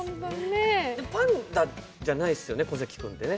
パンダじゃないですよね、小関君ってね。